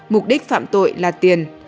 mục đích phạm tội là tiền